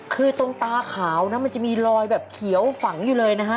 คือตรงตาขาวนะมันจะมีรอยแบบเขียวฝังอยู่เลยนะฮะ